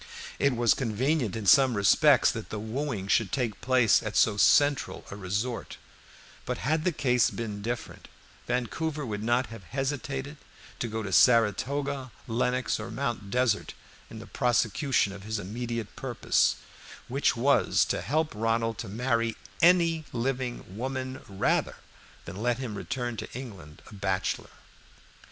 It was convenient in some respects that the wooing should take place at so central a resort; but had the case been different, Vancouver would not have hesitated to go to Saratoga, Lenox, or Mount Desert, in the prosecution of his immediate purpose, which was to help Ronald to marry any living woman rather than let him return to England a bachelor.